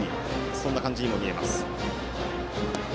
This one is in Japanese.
そんな感じにも見えます。